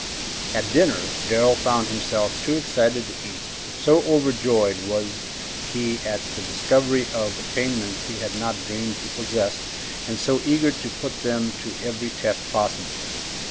At dinner Darrell found himself too excited to eat, so overjoyed was he at the discovery of attainments he had not dreamed he possessed, and so eager to put them to every test possible.